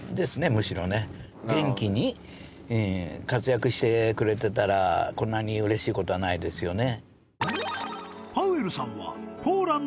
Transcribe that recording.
むしろね元気に活躍してくれてたらこんなに嬉しいことはないですよね